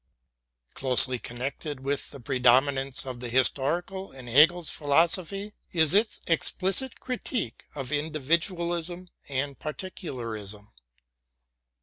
Closely connected with the predominance of the historical in Hegel's philosophy is its explicit critique of individualism and particularism.